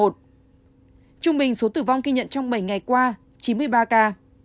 trung bình số tử vong ghi nhận trong bảy ngày qua chín mươi ba ca